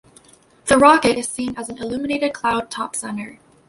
The rocket is seen as an illuminated cloud top centre.